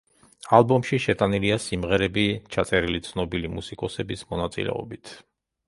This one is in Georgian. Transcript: ალბომში შეტანილია სიმღერები, ჩაწერილი ცნობილი მუსიკოსების მონაწილეობით.